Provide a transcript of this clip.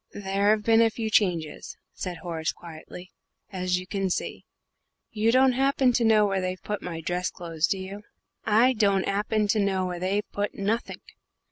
"There have been a few changes," said Horace, quietly, "as you can see. You don't happen to know where they've put my dress clothes, do you?" "I don't 'appen to know where they've put nothink.